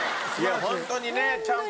ホントにねちゃんと。